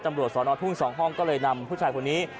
ตำรวจสอนอทุ่ง๒ห้องก็เลยนำผู้ชายคนนี้